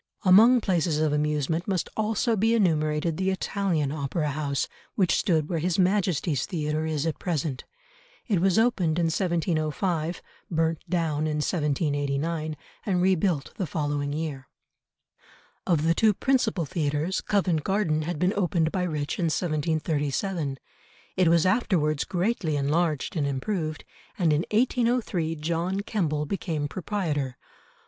Among places of amusement must also be enumerated the Italian Opera House, which stood where His Majesty's Theatre is at present. It was opened in 1705, burnt down in 1789, and rebuilt the following year. Of the two principal theatres, Covent Garden had been opened by Rich in 1737, it was afterwards greatly enlarged and improved, and in 1803 John Kemble became proprietor.